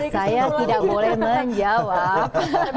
saya tidak boleh menjawab